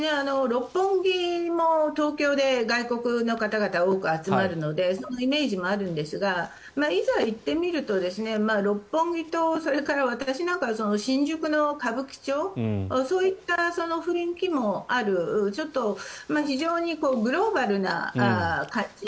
六本木も東京で外国の方々が多く集まるのでそのイメージがあるんですがいざ行ってみると六本木と、それから私なんかは新宿の歌舞伎町そういった雰囲気もある非常にグローバルな感じ。